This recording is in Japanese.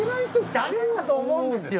ダメだと思うんですよ。